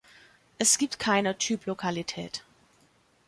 Es gibt keine Typlokalität.